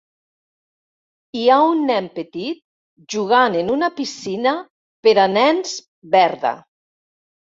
Hi ha un nen petit jugant en una piscina per a nens verda.